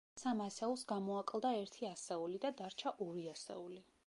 სამ ასეულს გამოაკლდა ერთი ასეული და დარჩა ორი ასეული.